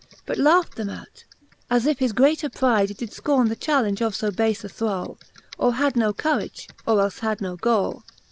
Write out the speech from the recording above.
But laught them out, as if his greater pryde Did fcorne the challenge of fo bafe a thrall j Or had no courage, or elfe had no gall.